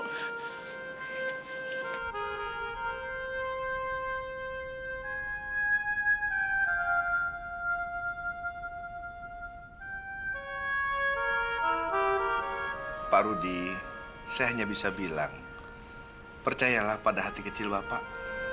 pak rudy saya hanya bisa bilang percayalah pada hati kecil bapak